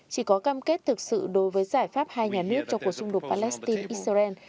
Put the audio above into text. chỉ có cam kết thực sự đối với giải pháp hai nhà nước cho cuộc xung đột palestine israel